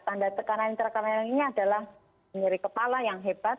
tanda tekanan intrakranial ini adalah nyeri kepala yang hebat